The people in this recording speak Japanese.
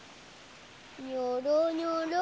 にょろにょろ。